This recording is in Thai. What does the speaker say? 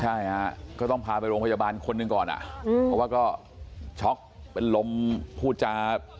ใช่ฮะก็ต้องพาไปโรงพยาบาลคนหนึ่งก่อนอ่ะเพราะว่าก็ช็อกเป็นลมพูดจา